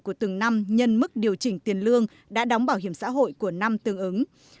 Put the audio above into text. của từng năm nhân mức điều chỉnh tiền lương đã đóng bảo hiểm xã hội của năm tương ứng